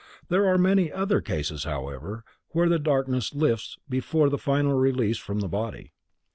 There are many other cases however, where the darkness lifts before the final release from the body.